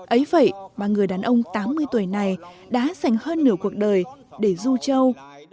ấy vậy ba người đàn ông tám mươi tuổi này đã dành hơn nửa cuộc đời để du trâu